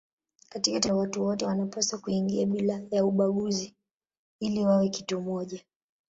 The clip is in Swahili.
Katika taifa hilo watu wote wanapaswa kuingia bila ya ubaguzi ili wawe kitu kimoja.